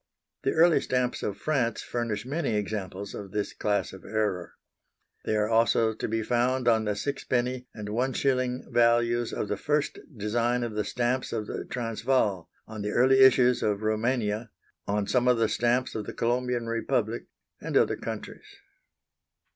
The early stamps of France furnish many examples of this class of error. They are also to be found on the 6d. and 1s. values of the first design of the stamps of the Transvaal, on the early issues of Roumania, on some of the stamps of the Colombian Republic, and other countries.